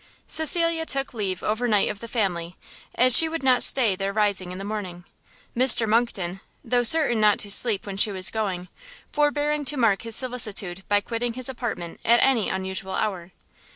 Cecilia took leave over night of the family, as she would not stay their rising in the morning: Mr Monckton, though certain not to sleep when she was going, forbearing to mark his solicitude by quitting his apartment at any unusual hour.